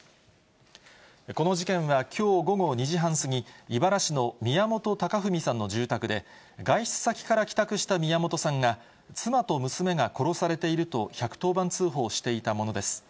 この事件はきょう午後２時半過ぎ、井原市の宮本隆文さんの住宅で、外出先から帰宅した宮本さんが、妻と娘が殺されていると、１１０番通報していたものです。